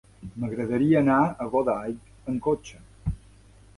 M'agradaria anar a Godall amb cotxe.